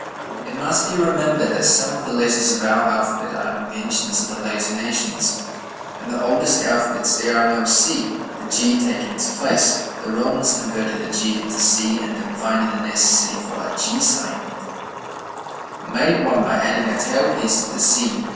It must be remembered that some of the letters of our alphabet are inventions of the later nations. In the oldest alphabets there was no c, the g taking its place. The Romans converted the g into c; and then, finding the necessity for a g Sign, made one by adding a tail piece to the c (C, G).